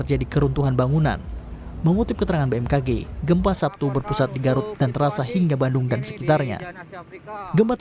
dan kita mengecek ternyata retakannya bertambah